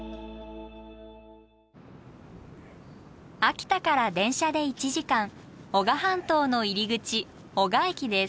秋田から電車で１時間男鹿半島の入り口男鹿駅です。